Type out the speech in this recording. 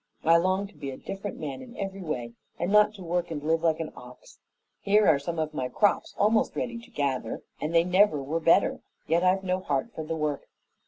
I long to be a different man in every way, and not to work and live like an ox. Here are some of my crops almost ready to gather and they never were better, yet I've no heart for the work.